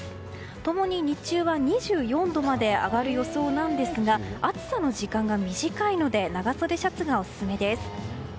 共に日中は２４度まで上がる予想なんですが暑さの時間が短いので長袖シャツがオススメです。